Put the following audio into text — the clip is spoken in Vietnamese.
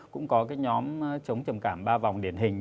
cũng có cái nhóm chống trầm cảm ba vòng điển hình